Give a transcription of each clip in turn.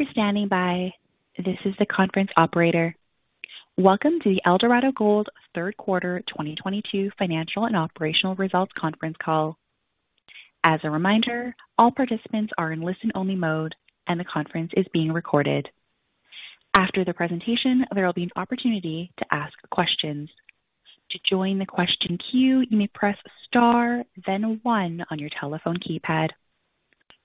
Thank you for standing by. This is the conference operator. Welcome to the Eldorado Gold Third Quarter 2022 financial and operational results conference call. As a reminder, all participants are in listen-only mode and the conference is being recorded. After the presentation, there will be an opportunity to ask questions. To join the question queue, you may press star then one on your telephone keypad.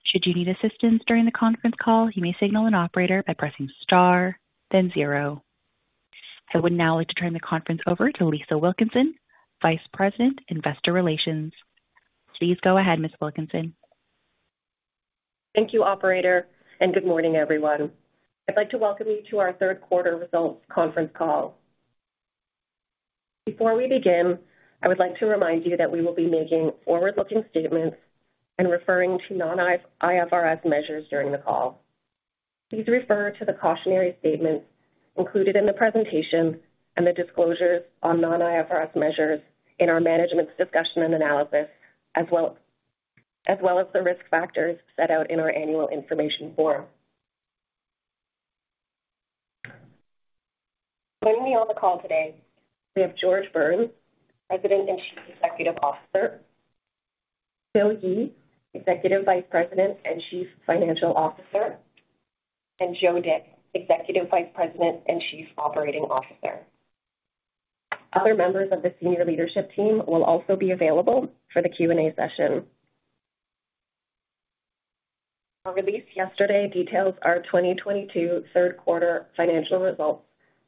Should you need assistance during the conference call, you may signal an operator by pressing star then zero. I would now like to turn the conference over to Lisa Wilkinson, Vice President, Investor Relations. Please go ahead, Ms. Wilkinson. Thank you, operator, and good morning, everyone. I'd like to welcome you to our third quarter results conference call. Before we begin, I would like to remind you that we will be making forward-looking statements and referring to non-IFRS measures during the call. Please refer to the cautionary statements included in the presentation and the disclosures on non-IFRS measures in our management's discussion and analysis as well as the risk factors set out in our annual information form. Joining me on the call today, we have George Burns, President and Chief Executive Officer, Phil Yee, Executive Vice President and Chief Financial Officer, and Joe Dick, Executive Vice President and Chief Operating Officer. Other members of the senior leadership team will also be available for the Q&A session. Our release yesterday details our 2022 third quarter financial results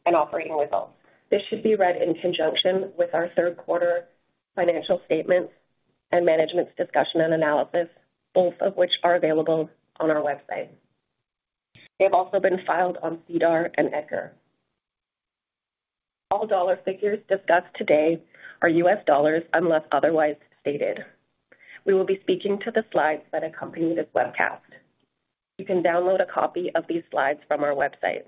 and operating results. This should be read in conjunction with our third quarter financial statements and management's discussion and analysis, both of which are available on our website. They've also been filed on SEDAR and EDGAR. All dollar figures discussed today are US dollars unless otherwise stated. We will be speaking to the slides that accompany this webcast. You can download a copy of these slides from our website.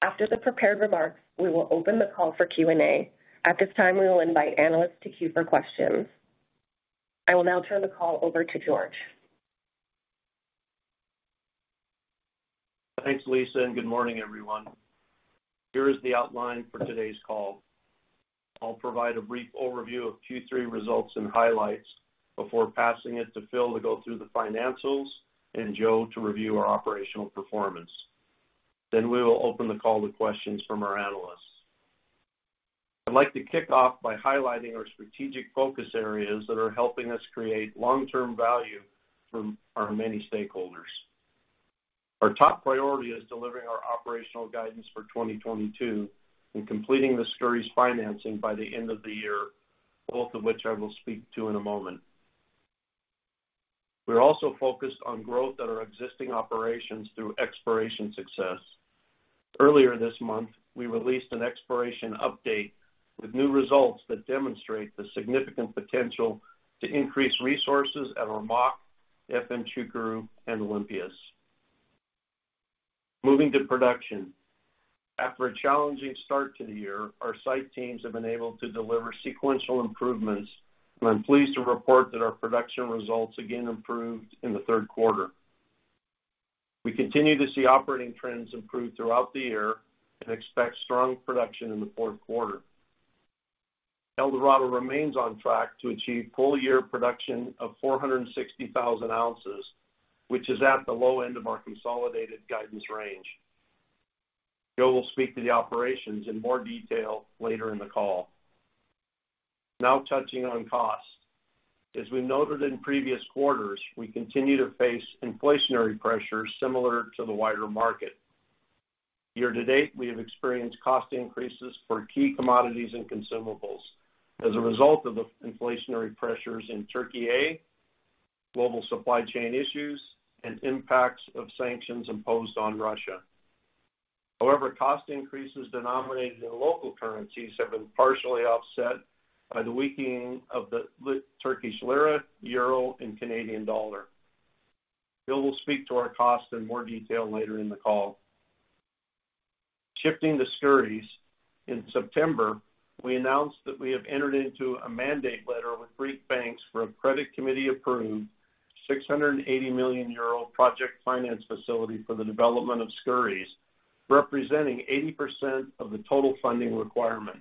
After the prepared remarks, we will open the call for Q&A. At this time, we will invite analysts to queue for questions. I will now turn the call over to George. Thanks, Lisa, and good morning, everyone. Here is the outline for today's call. I'll provide a brief overview of Q3 results and highlights before passing it to Phil to go through the financials and Joe to review our operational performance. We will open the call to questions from our analysts. I'd like to kick off by highlighting our strategic focus areas that are helping us create long-term value for our many stakeholders. Our top priority is delivering our operational guidance for 2022 and completing the Skouries financing by the end of the year, both of which I will speak to in a moment. We're also focused on growth at our existing operations through exploration success. Earlier this month, we released an exploration update with new results that demonstrate the significant potential to increase resources at Lamaque, Efemçukuru, and Olympias. Moving to production. After a challenging start to the year, our site teams have been able to deliver sequential improvements, and I'm pleased to report that our production results again improved in the third quarter. We continue to see operating trends improve throughout the year and expect strong production in the fourth quarter. Eldorado remains on track to achieve full-year production of 460,000 oz, which is at the low end of our consolidated guidance range. Joe will speak to the operations in more detail later in the call. Now touching on costs. As we noted in previous quarters, we continue to face inflationary pressures similar to the wider market. Year to date, we have experienced cost increases for key commodities and consumables as a result of the inflationary pressures in Turkey and global supply chain issues, and impacts of sanctions imposed on Russia. However, cost increases denominated in local currencies have been partially offset by the weakening of the Turkish lira, euro, and Canadian dollar. Phil will speak to our costs in more detail later in the call. Shifting to Skouries, in September, we announced that we have entered into a mandate letter with three banks for a credit committee-approved 680 million euro project finance facility for the development of Skouries, representing 80% of the total funding requirement.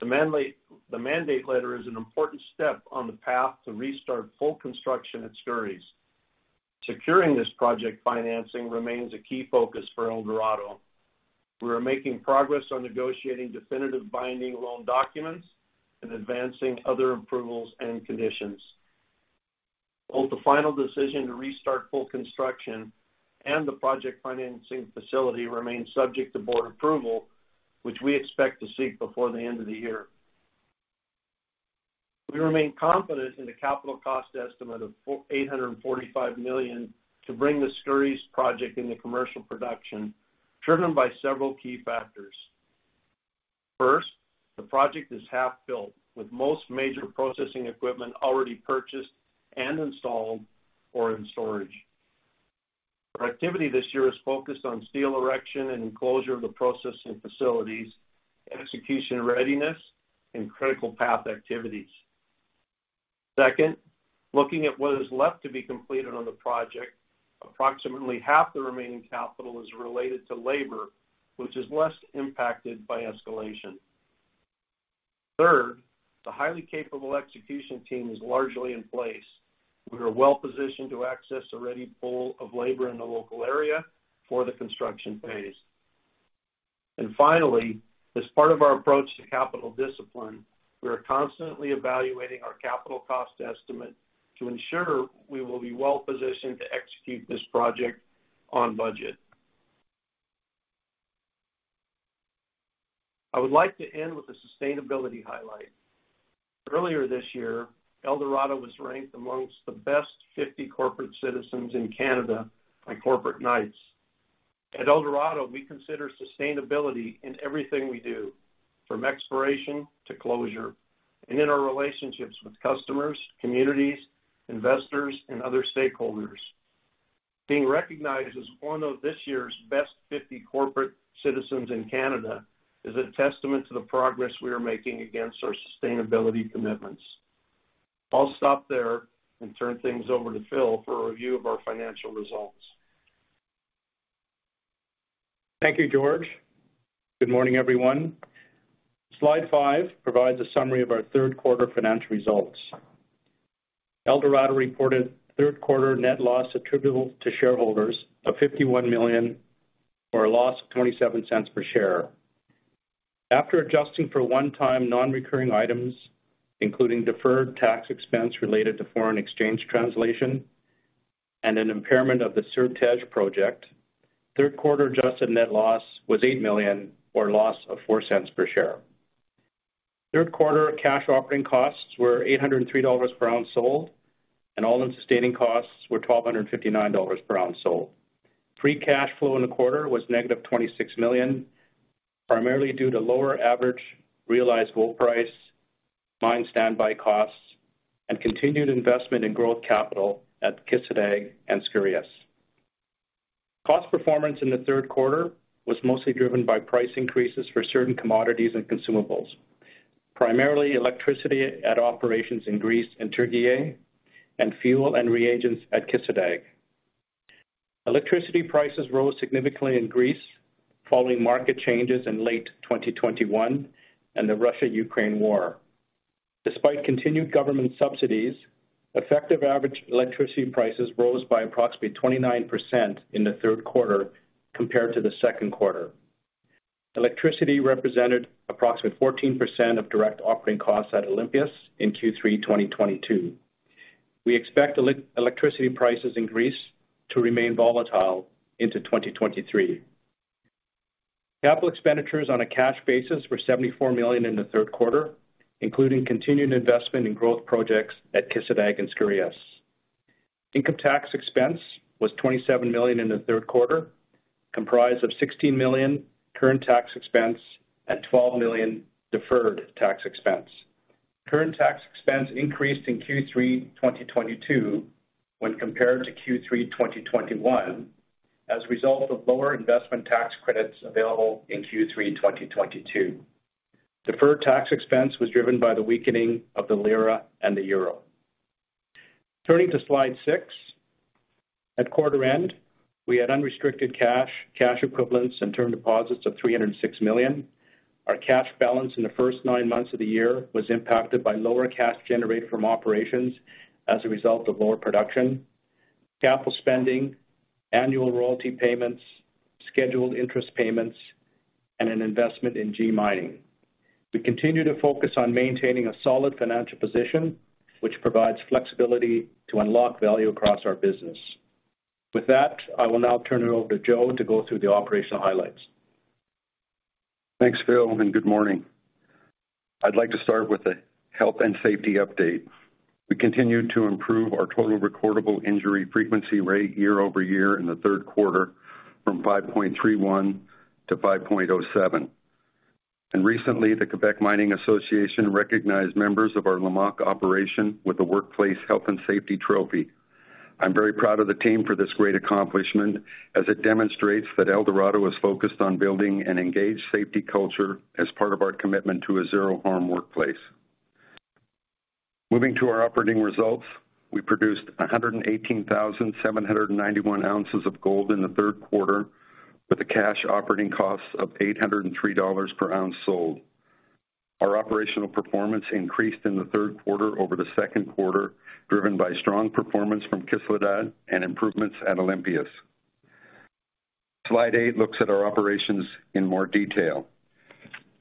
The mandate letter is an important step on the path to restart full construction at Skouries. Securing this project financing remains a key focus for Eldorado. We are making progress on negotiating definitive binding loan documents and advancing other approvals and conditions. Both the final decision to restart full construction and the project financing facility remain subject to board approval, which we expect to seek before the end of the year. We remain confident in the capital cost estimate of $845 million to bring the Skouries project into commercial production, driven by several key factors. First, the project is half built, with most major processing equipment already purchased and installed or in storage. Our activity this year is focused on steel erection and enclosure of the processing facilities, execution readiness, and critical path activities. Second, looking at what is left to be completed on the project, approximately half the remaining capital is related to labor, which is less impacted by escalation. Third, the highly capable execution team is largely in place. We are well-positioned to access a ready pool of labor in the local area for the construction phase. Finally, as part of our approach to capital discipline, we are constantly evaluating our capital cost estimate to ensure we will be well-positioned to execute this project on budget. I would like to end with a sustainability highlight. Earlier this year, Eldorado was ranked among the best 50 corporate citizens in Canada by Corporate Knights. At Eldorado, we consider sustainability in everything we do, from exploration to closure, and in our relationships with customers, communities, investors, and other stakeholders. Being recognized as one of this year's best 50 corporate citizens in Canada is a testament to the progress we are making against our sustainability commitments. I'll stop there and turn things over to Phil for a review of our financial results. Thank you, George. Good morning, everyone. Slide five provides a summary of our third quarter financial results. Eldorado reported third quarter net loss attributable to shareholders of $51 million, or a loss of $0.27 per share. After adjusting for one-time non-recurring items, including deferred tax expense related to foreign exchange translation and an impairment of the Certej project, third quarter adjusted net loss was $8 million or a loss of $0.04 per share. Third quarter cash operating costs were $803 per oz sold, and all-in sustaining costs were $1,259 per oz sold. Free cash flow in the quarter was -$26 million, primarily due to lower average realized gold price, mine standby costs, and continued investment in growth capital at Kışladağ and Skouries. Cost performance in the third quarter was mostly driven by price increases for certain commodities and consumables, primarily electricity at operations in Greece and Türkiye, and fuel and reagents at Kışladağ. Electricity prices rose significantly in Greece following market changes in late 2021 and the Russia-Ukraine war. Despite continued government subsidies, effective average electricity prices rose by approximately 29% in the third quarter compared to the second quarter. Electricity represented approximately 14% of direct operating costs at Olympias in Q3 2022. We expect electricity prices in Greece to remain volatile into 2023. Capital expenditures on a cash basis were $74 million in the third quarter, including continued investment in growth projects at Kışladağ and Skouries. Income tax expense was $27 million in the third quarter, comprised of $16 million current tax expense and $12 million deferred tax expense. Current tax expense increased in Q3 2022 when compared to Q3 2021 as a result of lower investment tax credits available in Q3 2022. Deferred tax expense was driven by the weakening of the lira and the euro. Turning to slide six. At quarter end, we had unrestricted cash equivalents, and term deposits of $306 million. Our cash balance in the first nine months of the year was impacted by lower cash generated from operations as a result of lower production, capital spending, annual royalty payments, scheduled interest payments, and an investment in G Mining Ventures. We continue to focus on maintaining a solid financial position, which provides flexibility to unlock value across our business. With that, I will now turn it over to Joe to go through the operational highlights. Thanks, Phil, and good morning. I'd like to start with a health and safety update. We continue to improve our total recordable injury frequency rate year-over-year in the third quarter from 5.31 to 5.07. Recently, the Québec Mining Association recognized members of our Lamaque operation with the Workplace Health and Safety Trophy. I'm very proud of the team for this great accomplishment, as it demonstrates that Eldorado is focused on building an engaged safety culture as part of our commitment to a zero-harm workplace. Moving to our operating results. We produced 118,791 oz of gold in the third quarter, with the cash operating costs of $803 per oz sold. Our operational performance increased in the third quarter over the second quarter, driven by strong performance from Kışladağ and improvements at Olympias. Slide eight looks at our operations in more detail.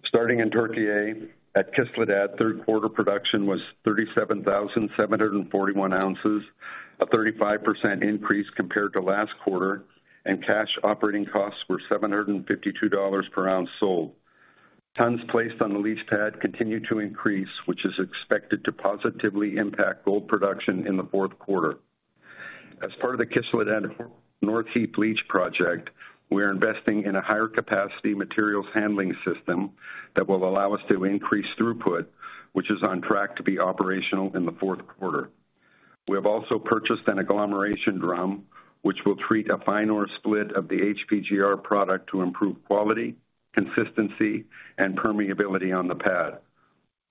Starting in Türkiye at Kışladağ, third quarter production was 37,741 oz, a 35% increase compared to last quarter, and cash operating costs were $752 per oz sold. Tons placed on the leach pad continued to increase, which is expected to positively impact gold production in the fourth quarter. As part of the Kışladağ North Heap Leach project, we are investing in a higher capacity materials handling system that will allow us to increase throughput, which is on track to be operational in the fourth quarter. We have also purchased an agglomeration drum, which will treat a fine ore split of the HPGR product to improve quality, consistency, and permeability on the pad.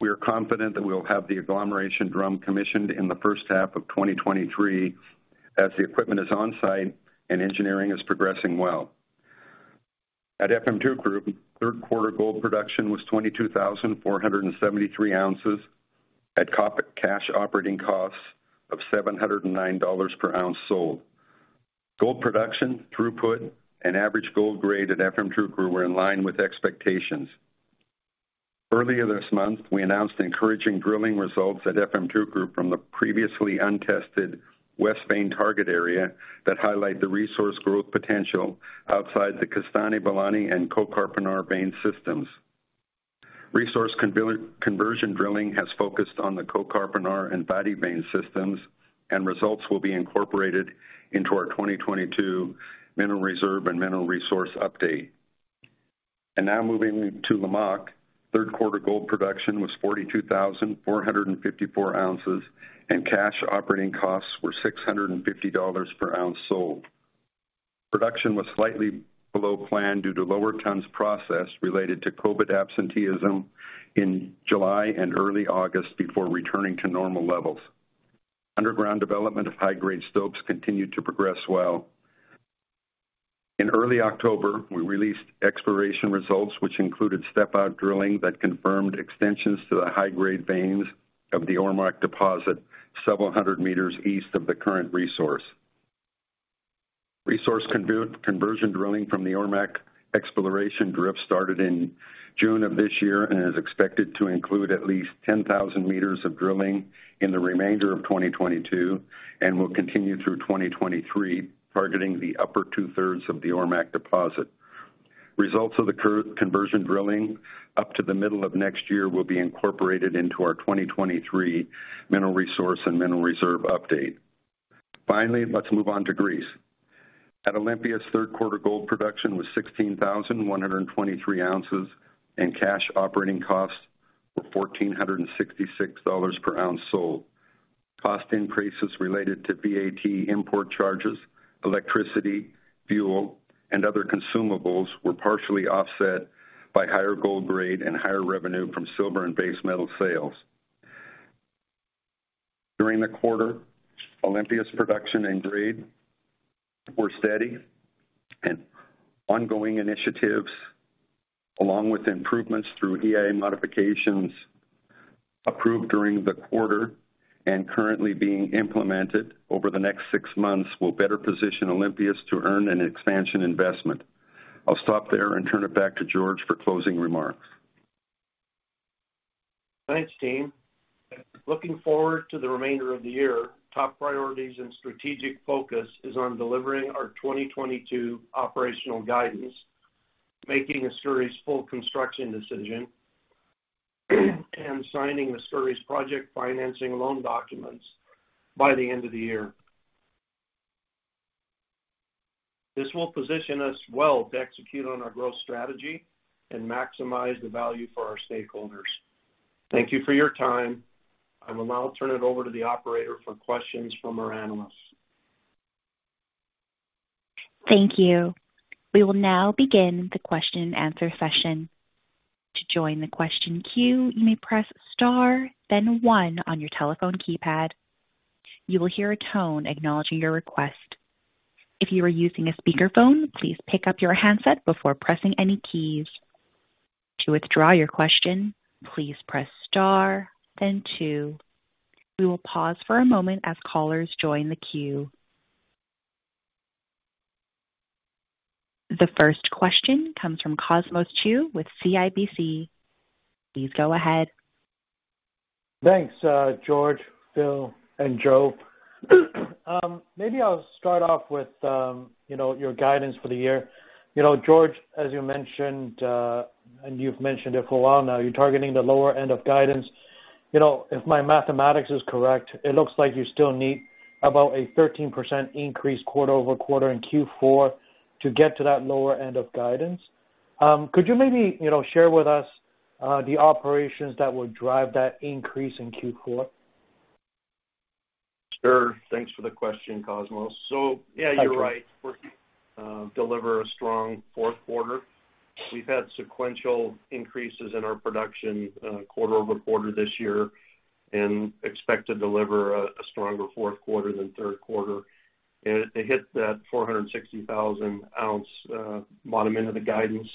We are confident that we'll have the agglomeration drum commissioned in the first half of 2023 as the equipment is on site and engineering is progressing well. At Efemçukuru, third quarter gold production was 22,473 oz at cash operating costs of $709 per oz sold. Gold production, throughput, and average gold grade at Efemçukuru were in line with expectations. Earlier this month, we announced encouraging drilling results at Efemçukuru from the previously untested West Vein target area that highlight the resource growth potential outside the Kestane Beleni and Kokarpinar vein systems. Resource conversion drilling has focused on the Kokarpinar and Bati vein systems, and results will be incorporated into our 2022 mineral reserve and mineral resource update. Now moving to Lamaque. Third quarter gold production was 42,454 oz, and cash operating costs were $650 per oz sold. Production was slightly below plan due to lower tons processed related to COVID absenteeism in July and early August before returning to normal levels. Underground development of high-grade stopes continued to progress well. In early October, we released exploration results, which included step-out drilling that confirmed extensions to the high-grade veins of the Ormaque deposit several hundred meters east of the current resource. Resource conversion drilling from the Ormaque exploration drift started in June of this year and is expected to include at least 10,000 meters of drilling in the remainder of 2022 and will continue through 2023, targeting the upper two-thirds of the Ormaque deposit. Results of the conversion drilling up to the middle of next year will be incorporated into our 2023 mineral resource and mineral reserve update. Finally, let's move on to Greece. At Olympias, third quarter gold production was 16,123 oz, and cash operating costs were $1,466 per oz sold. Cost increases related to VAT import charges, electricity, fuel, and other consumables were partially offset by higher gold grade and higher revenue from silver and base metal sales. During the quarter, Olympias production and grade were steady, and ongoing initiatives, along with improvements through EIA modifications approved during the quarter and currently being implemented over the next six months, will better position Olympias to earn an expansion investment. I'll stop there and turn it back to George for closing remarks. Thanks, team. Looking forward to the remainder of the year, top priorities and strategic focus is on delivering our 2022 operational guidance, making Skouries' full construction decision, and signing Skouries' project financing loan documents by the end of the year. This will position us well to execute on our growth strategy and maximize the value for our stakeholders. Thank you for your time. I will now turn it over to the operator for questions from our analysts. Thank you. We will now begin the question-and-answer session. To join the question queue, you may press star then one on your telephone keypad. You will hear a tone acknowledging your request. If you are using a speakerphone, please pick up your handset before pressing any keys. To withdraw your question, please press star then two. We will pause for a moment as callers join the queue. The first question comes from Cosmos Chiu with CIBC. Please go ahead. Thanks, George, Phil, and Joe. Maybe I'll start off with, you know, your guidance for the year. You know, George, as you mentioned, and you've mentioned it for a while now, you're targeting the lower end of guidance. You know, if my mathematics is correct, it looks like you still need about a 13% increase quarter-over-quarter in Q4 to get to that lower end of guidance. Could you maybe, you know, share with us, the operations that will drive that increase in Q4? Sure. Thanks for the question, Cosmos. Thank you. Yeah, you're right. We deliver a strong fourth quarter. We've had sequential increases in our production quarter-over-quarter this year and expect to deliver a stronger fourth quarter than third quarter. To hit that 460,000 oz bottom end of the guidance,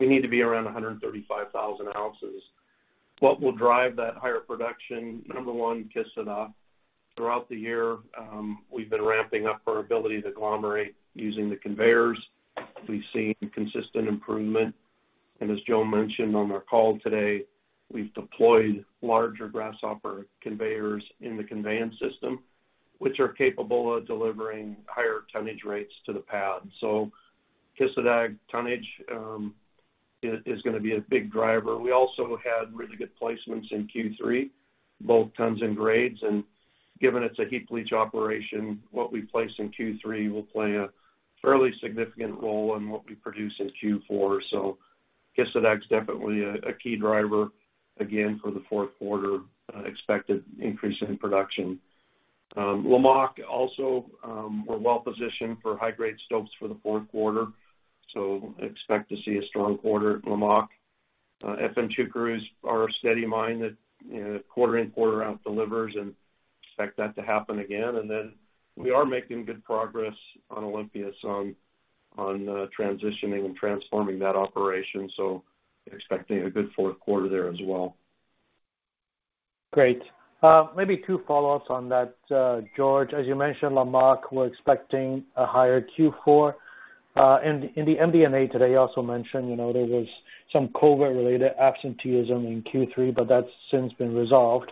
we need to be around 135,000 oz. What will drive that higher production? Number one, Kışladağ. Throughout the year, we've been ramping up our ability to agglomerate using the conveyors. We've seen consistent improvement. As Joe mentioned on our call today, we've deployed larger Grasshopper conveyors in the conveyance system, which are capable of delivering higher tonnage rates to the pad. Kışladağ tonnage is gonna be a big driver. We also had really good placements in Q3, both tons and grades. Given it's a heap leach operation, what we place in Q3 will play a fairly significant role in what we produce in Q4. Kışladağ's definitely a key driver again for the fourth quarter expected increase in production. Lamaque also, we're well positioned for high-grade stopes for the fourth quarter, so expect to see a strong quarter at Lamaque. Efemçukuru crews are a steady mine that, you know, quarter in, quarter out delivers and expect that to happen again. We are making good progress on Olympias on transitioning and transforming that operation, so expecting a good fourth quarter there as well. Great. Maybe two follow-ups on that, George. As you mentioned, Lamaque, we're expecting a higher Q4. In the MD&A today, you also mentioned, you know, there was some COVID related absenteeism in Q3, but that's since been resolved.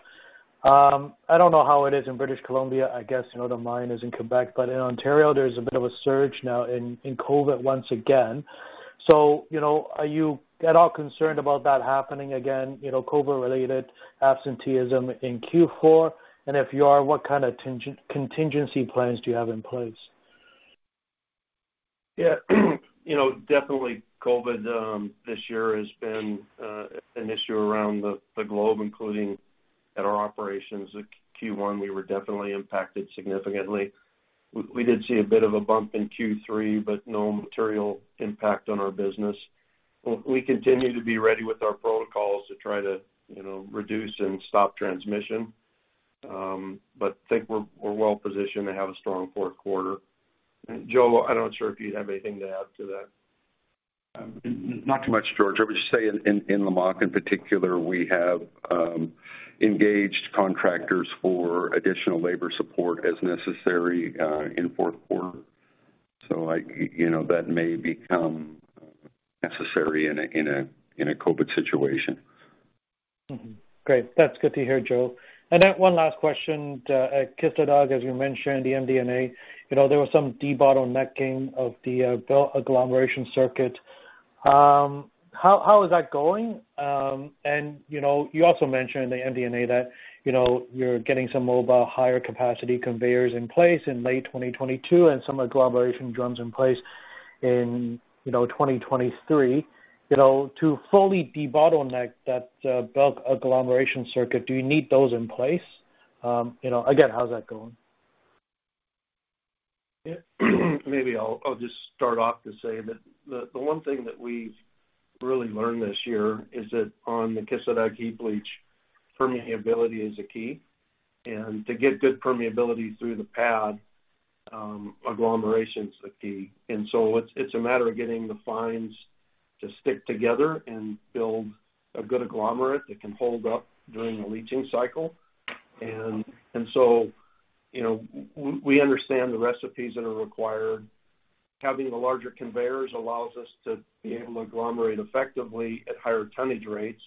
I don't know how it is in British Columbia, I guess, you know, the mine is in Quebec, but in Ontario, there's a bit of a surge now in COVID once again. You know, are you at all concerned about that happening again, you know, COVID related absenteeism in Q4? If you are, what kind of contingency plans do you have in place? Yeah. You know, definitely COVID, this year has been an issue around the globe, including at our operations. At Q1, we were definitely impacted significantly. We did see a bit of a bump in Q3, but no material impact on our business. We continue to be ready with our protocols to try to, you know, reduce and stop transmission. But I think we're well positioned to have a strong fourth quarter. Joe, I'm not sure if you'd have anything to add to that. Not too much, George. I would just say in Lamaque, in particular, we have engaged contractors for additional labor support as necessary in fourth quarter. Like, you know, that may become necessary in a COVID situation. Great. That's good to hear, Joe. One last question to Kışladağ. As you mentioned in the MD&A, you know, there was some debottlenecking of the belt agglomeration circuit. How is that going? You know, you also mentioned in the MD&A that, you know, you're getting some mobile higher capacity conveyors in place in late 2022 and some agglomeration drums in place in 2023. You know, to fully debottleneck that belt agglomeration circuit, do you need those in place? You know, again, how's that going? Yeah. Maybe I'll just start off to say that the one thing that we've really learned this year is that on the Kışladağ heap leach, permeability is a key. To get good permeability through the pad, agglomeration is the key. It's a matter of getting the fines to stick together and build a good agglomerate that can hold up during the leaching cycle. You know, we understand the recipes that are required. Having the larger conveyors allows us to be able to agglomerate effectively at higher tonnage rates.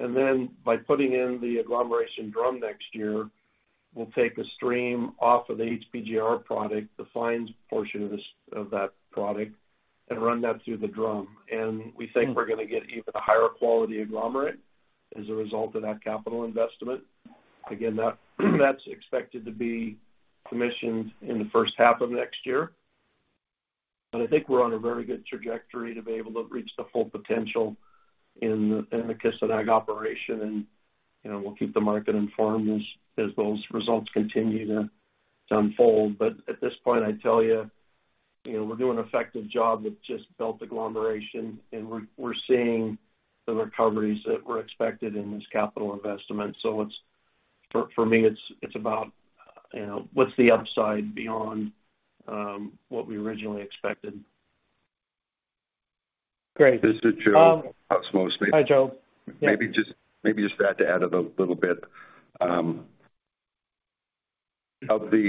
Then by putting in the agglomeration drum next year, we'll take a stream off of the HPGR product, the fines portion of that product, and run that through the drum. We think we're gonna get even a higher quality agglomerate as a result of that capital investment. Again, that's expected to be commissioned in the first half of next year. I think we're on a very good trajectory to be able to reach the full potential in the Kışladağ operation. You know, we'll keep the market informed as those results continue to unfold. At this point, I'd tell you know, we're doing an effective job with just belt agglomeration, and we're seeing the recoveries that were expected in this capital investment. It's, for me, it's about, you know, what's the upside beyond what we originally expected. Great. This is Joe Cosmos. Hi, Joe. Yeah. Maybe just to add a little bit of the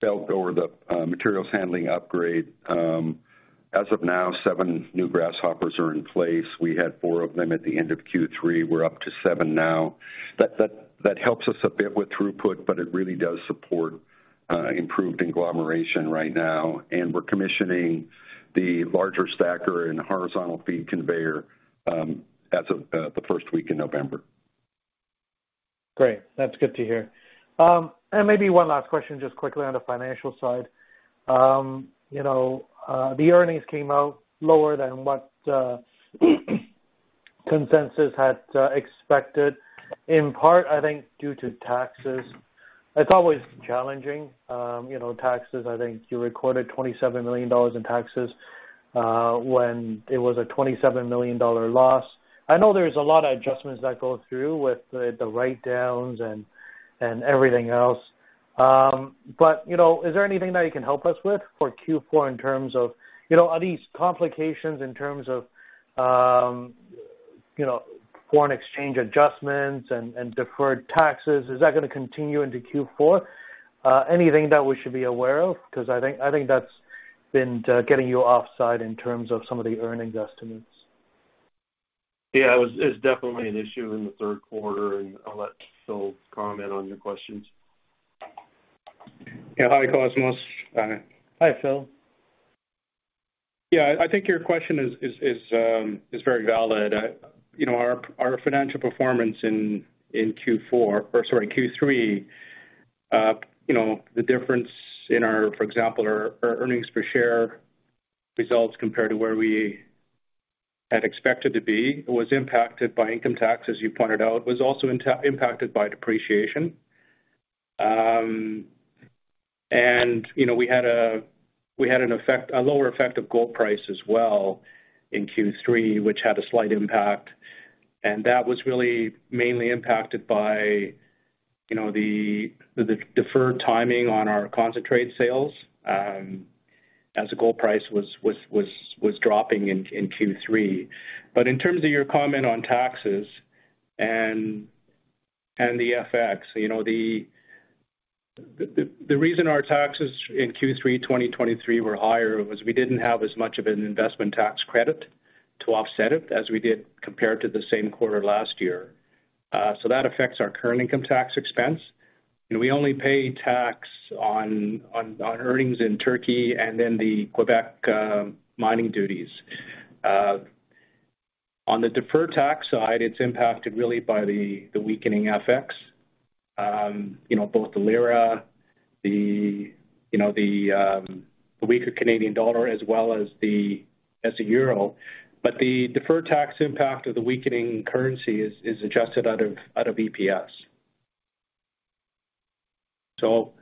belt or the materials handling upgrade. As of now, seven new Grasshoppers are in place. We had four of them at the end of Q3. We're up to seven now. That helps us a bit with throughput, but it really does support improved agglomeration right now. We're commissioning the larger stacker and horizontal feed conveyor as of the first week in November. Great. That's good to hear. Maybe one last question, just quickly on the financial side. You know, the earnings came out lower than what consensus had expected, in part, I think, due to taxes. It's always challenging, you know, taxes. I think you recorded $27 million in taxes when it was a $27 million loss. I know there's a lot of adjustments that go through with the write downs and everything else. But you know, is there anything that you can help us with for Q4 in terms of, you know, are these complications in terms of, you know, foreign exchange adjustments and deferred taxes, is that gonna continue into Q4? Anything that we should be aware of? 'Cause I think that's been getting you offside in terms of some of the earnings estimates. Yeah. It was, it's definitely an issue in the third quarter, and I'll let Phil comment on your questions. Yeah. Hi, Cosmos. Hi, Phil. Yeah. I think your question is very valid. You know, our financial performance in Q3, you know, the difference in our, for example, our earnings per share results compared to where we had expected to be was impacted by income tax, as you pointed out, was also impacted by depreciation. You know, we had a lower effect of gold price as well in Q3, which had a slight impact, and that was really mainly impacted by the deferred timing on our concentrate sales, as the gold price was dropping in Q3. In terms of your comment on taxes and the FX, you know, the reason our taxes in Q3 2023 were higher was we didn't have as much of an investment tax credit to offset it as we did compared to the same quarter last year. So that affects our current income tax expense. You know, we only pay tax on earnings in Türkiye and then the Quebec mining duties. On the deferred tax side, it's impacted really by the weakening FX, you know, both the lira, the weaker Canadian dollar as well as the euro. The deferred tax impact of the weakening currency is adjusted out of EPS. So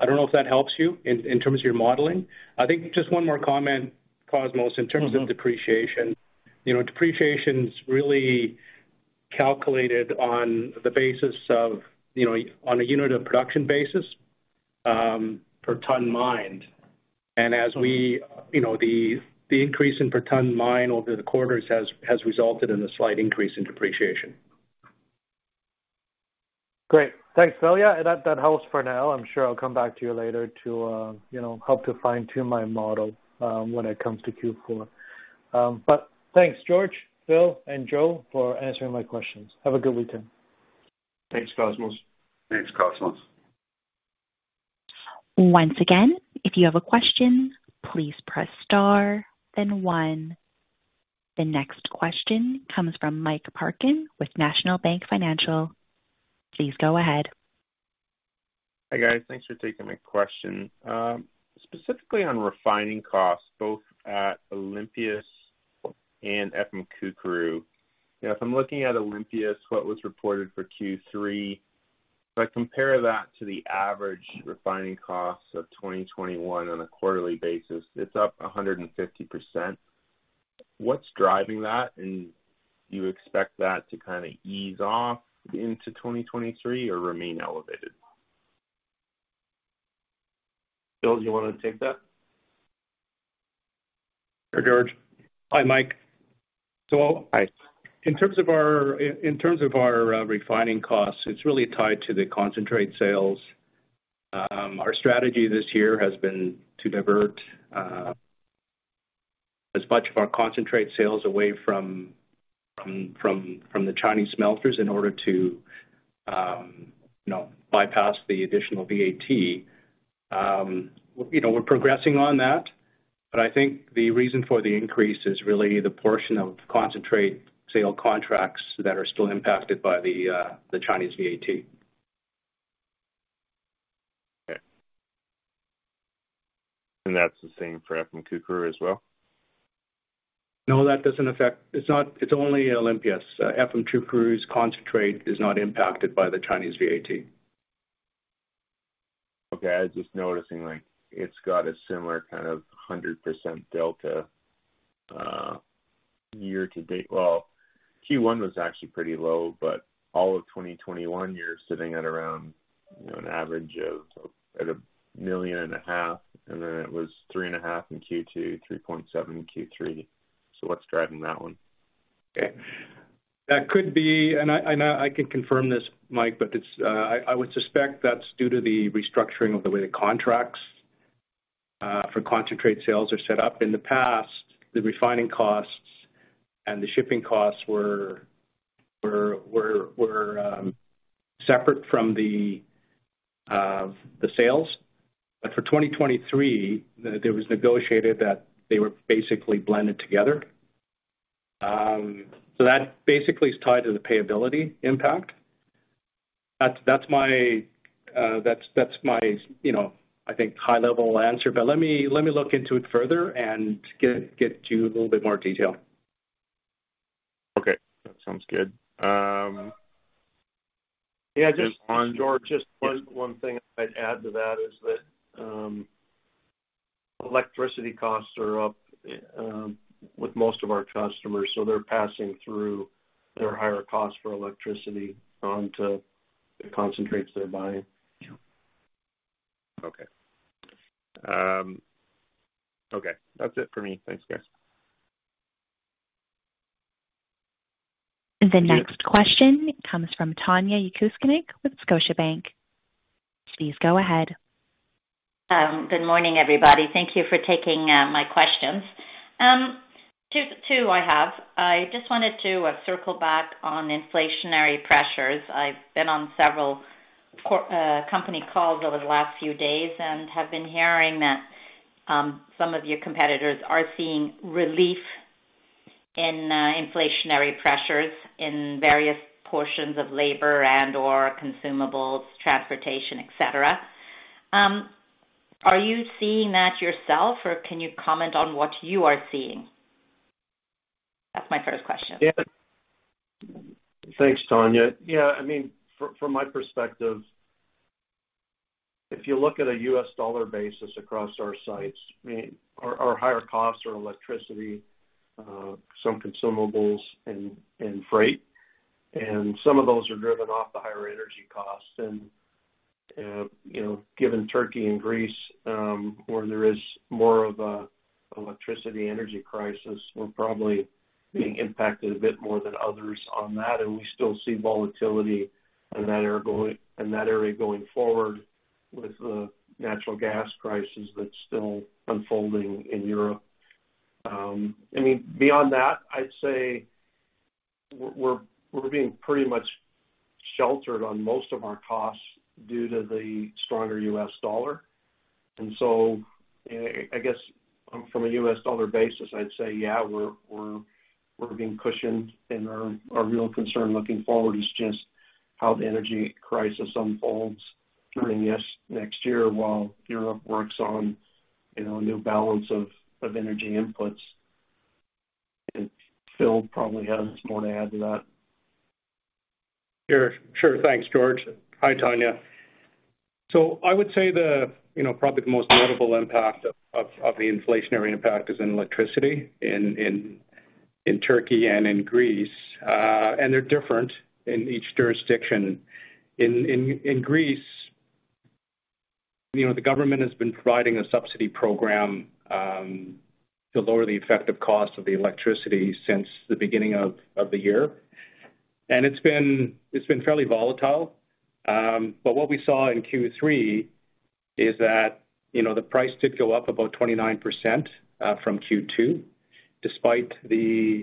I don't know if that helps you in terms of your modeling. I think just one more comment, Cosmos, in terms of depreciation. You know, depreciation's really calculated on the basis of, you know, on a unit of production basis, per ton mined. As we, you know, the increase in per ton mined over the quarters has resulted in a slight increase in depreciation. Great. Thanks, Phil. Yeah, that helps for now. I'm sure I'll come back to you later to you know, help to fine-tune my model, when it comes to Q4. Thanks, George, Phil, and Joe for answering my questions. Have a good weekend. Thanks, Cosmos. Once again, if you have a question, please press star then one. The next question comes from Mike Parkin with National Bank Financial. Please go ahead. Hi, guys. Thanks for taking my question. Specifically on refining costs, both at Olympias and Efemçukuru. You know, if I'm looking at Olympias, what was reported for Q3, if I compare that to the average refining costs of 2021 on a quarterly basis, it's up 150%. What's driving that? Do you expect that to kind of ease off into 2023 or remain elevated? Phil, do you wanna take that? Hi, George. Hi, Mike. Hi. In terms of our refining costs, it's really tied to the concentrate sales. Our strategy this year has been to divert as much of our concentrate sales away from the Chinese smelters in order to, you know, bypass the additional VAT. You know, we're progressing on that, but I think the reason for the increase is really the portion of concentrate sale contracts that are still impacted by the Chinese VAT. Okay. That's the same for Efemçukuru as well? No, that doesn't affect. It's not, it's only Olympias. Efemçukuru's concentrate is not impacted by the Chinese VAT. Okay. I was just noticing, like, it's got a similar kind of 100% delta year to date. Well, Q1 was actually pretty low, but all of 2021, you're sitting at around, you know, an average of 1.5 million, and then it was 3.5 in Q2, 3.7 in Q3. What's driving that one? Okay. That could be. I can confirm this, Mike, but I would suspect that's due to the restructuring of the way the contracts for concentrate sales are set up. In the past, the refining costs and the shipping costs were separate from the sales. For 2023, there was negotiated that they were basically blended together. That basically is tied to the payability impact. That's my you know, I think, high level answer. Let me look into it further and get you a little bit more detail. Okay, that sounds good. Yeah, just- And one- George, just one thing I'd add to that is that electricity costs are up with most of our customers, so they're passing through their higher costs for electricity onto the concentrates they're buying. Okay. That's it for me. Thanks, guys. The next question comes from Tanya Jakusconek with Scotiabank. Please go ahead. Good morning, everybody. Thank you for taking my questions. Two I have. I just wanted to circle back on inflationary pressures. I've been on several company calls over the last few days and have been hearing that some of your competitors are seeing relief in inflationary pressures in various portions of labor and/or consumables, transportation, et cetera. Are you seeing that yourself or can you comment on what you are seeing? That's my first question. Yeah. Thanks, Tanya. Yeah, I mean, from my perspective, if you look at a US dollar basis across our sites, I mean, our higher costs are electricity, some consumables and freight. Some of those are driven off the higher energy costs. You know, given Turkey and Greece, where there is more of an electricity energy crisis, we're probably being impacted a bit more than others on that, and we still see volatility in that area going forward with the natural gas crisis that's still unfolding in Europe. I mean, beyond that, I'd say we're being pretty much sheltered on most of our costs due to the stronger U.S. dollar. I guess from a U.S. dollar basis, I'd say, yeah, we're being cushioned and our real concern looking forward is just how the energy crisis unfolds during this next year while Europe works on, you know, a new balance of energy inputs. Phil probably has more to add to that. Sure. Thanks, George. Hi, Tanya. I would say probably the most notable impact of the inflationary impact is in electricity in Türkiye and in Greece. They're different in each jurisdiction. In Greece, you know, the government has been providing a subsidy program to lower the effective cost of the electricity since the beginning of the year. It's been fairly volatile. But what we saw in Q3 is that, you know, the price did go up about 29% from Q2 despite the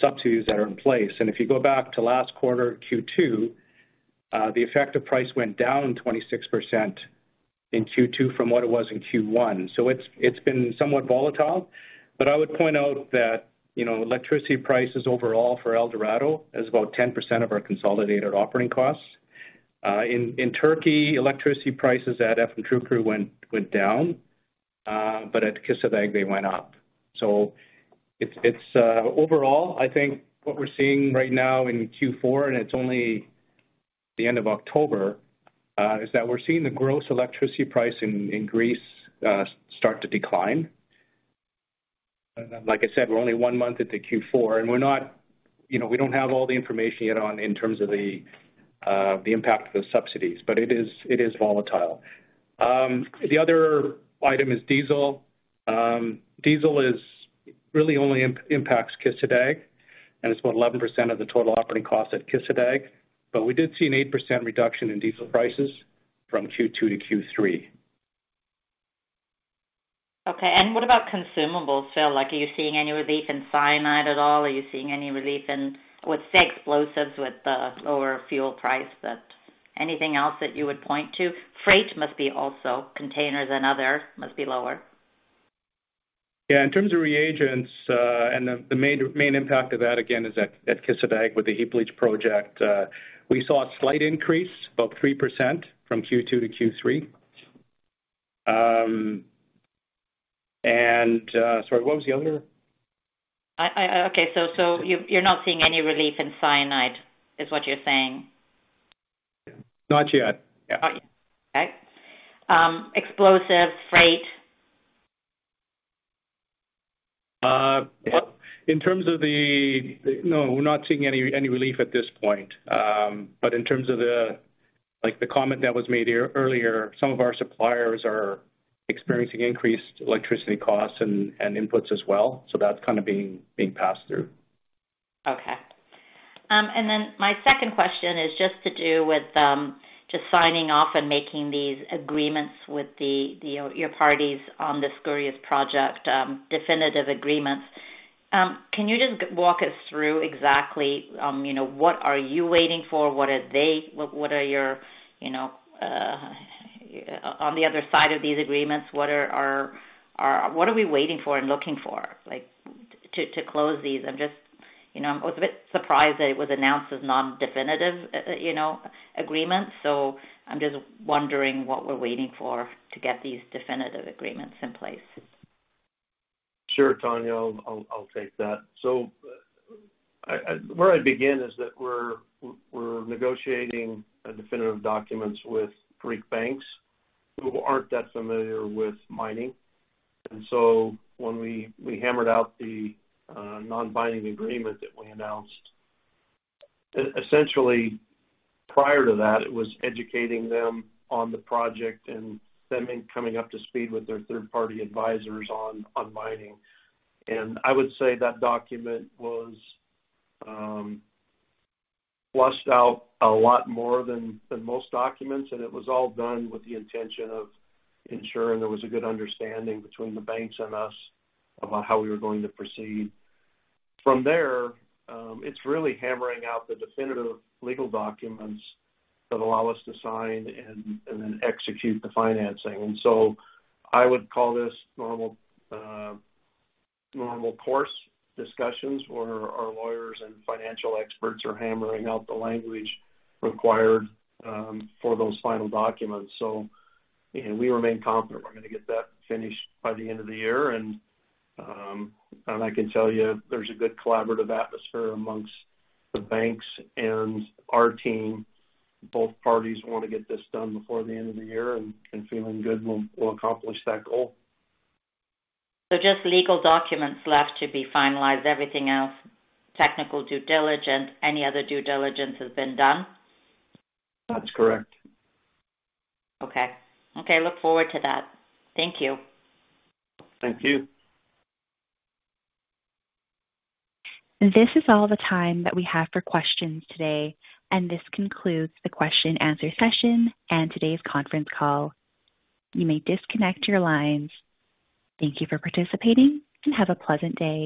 subsidies that are in place. If you go back to last quarter, Q2, the effective price went down 26% in Q2 from what it was in Q1. It's been somewhat volatile, but I would point out that, you know, electricity prices overall for Eldorado is about 10% of our consolidated operating costs. In Turkey, electricity prices at Efemçukuru went down, but at Kışladağ they went up. It's overall, I think what we're seeing right now in Q4, and it's only the end of October, is that we're seeing the gross electricity price in Greece start to decline. Like I said, we're only one month into Q4, and we're not, you know, we don't have all the information yet on in terms of the impact of the subsidies, but it is volatile. The other item is diesel. Diesel is really only impacts Kışladağ, and it's about 11% of the total operating cost at Kışladağ. We did see an 8% reduction in diesel prices from Q2 to Q3. Okay. What about consumables, Phil? Like, are you seeing any relief in cyanide at all? Are you seeing any relief in, I would say, explosives with the lower fuel price, but anything else that you would point to? Freight must be also containers and other must be lower. Yeah. In terms of reagents, and the main impact of that, again, is at Kışladağ with the heap leach project. We saw a slight increase, about 3% from Q2 to Q3. Sorry, what was the other? Okay, so you're not seeing any relief in cyanide is what you're saying? Not yet. Yeah. Okay. Explosives, freight? No, we're not seeing any relief at this point. But in terms of the like, the comment that was made earlier, some of our suppliers are experiencing increased electricity costs and inputs as well. That's kind of being passed through. Okay. My second question is just to do with just signing off and making these agreements with your parties on the Skouries project definitive agreements. Can you just walk us through exactly, you know, what are you waiting for? What are yours, you know, on the other side of these agreements, what are we waiting for and looking for, like, to close these? I'm just, you know, I was a bit surprised that it was announced as non-definitive, you know, agreements. I'm just wondering what we're waiting for to get these definitive agreements in place. Sure, Tanya, I'll take that. I begin with the fact that we're negotiating definitive documents with Greek banks who aren't that familiar with mining. When we hammered out the non-binding agreement that we announced, essentially prior to that, it was educating them on the project and them then coming up to speed with their third party advisors on mining. I would say that document was fleshed out a lot more than most documents, and it was all done with the intention of ensuring there was a good understanding between the banks and us about how we were going to proceed. From there, it's really hammering out the definitive legal documents that allow us to sign and then execute the financing. I would call this normal course discussions where our lawyers and financial experts are hammering out the language required for those final documents. You know, we remain confident we're gonna get that finished by the end of the year. I can tell you there's a good collaborative atmosphere among the banks and our team. Both parties want to get this done before the end of the year and feeling good we'll accomplish that goal. Just legal documents left to be finalized. Everything else, technical due diligence, any other due diligence has been done? That's correct. Okay. Okay, look forward to that. Thank you. Thank you. This is all the time that we have for questions today, and this concludes the question and answer session and today's conference call. You may disconnect your lines. Thank you for participating, and have a pleasant day.